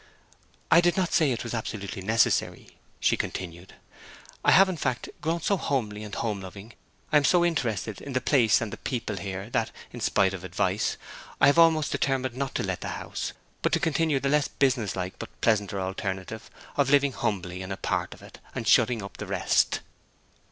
'I did not say it was absolutely necessary,' she continued. 'I have, in fact, grown so homely and home loving, I am so interested in the place and the people here, that, in spite of advice, I have almost determined not to let the house; but to continue the less business like but pleasanter alternative of living humbly in a part of it, and shutting up the rest.'